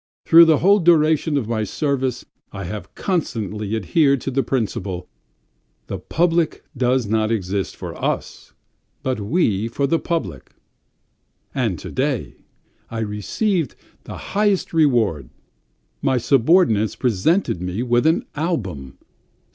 Through the whole duration of my service I have constantly adhered to the principle; the public does not exist for us, but we for the public, and to day I received the highest reward! My subordinates presented me with an album